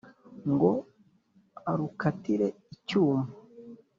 ngo arukatire icyuma